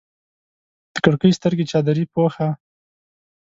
د کړکۍ سترګې چادرې پوښه